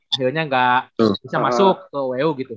akhirnya nggak bisa masuk ke wu gitu